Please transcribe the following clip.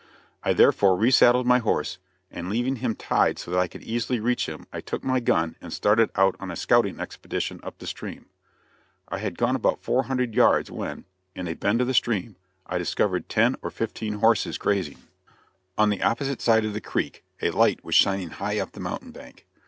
I therefore re saddled my horse, and leaving him tied so that I could easily reach him I took my gun and started out on a scouting expedition up the stream. I had gone about four hundred yards when, in a bend of the stream, I discovered ten or fifteen horses grazing. On the opposite side of the creek a light was shining high up the mountain bank.